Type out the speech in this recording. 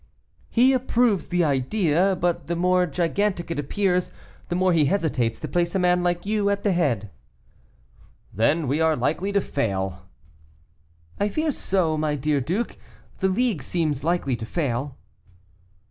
"He approves the idea, but the more gigantic it appears, the more he hesitates to place a man like you at the head." "Then we are likely to fail." "I fear so, my dear duke; the League seems likely to fail."